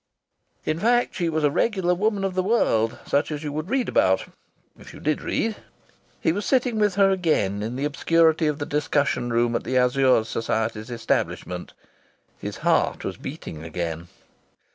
In fact, she was a regular woman of the world, such as you would read about if you did read!... He was sitting with her again in the obscurity of the discussion room at the Azure Society's establishment. His heart was beating again.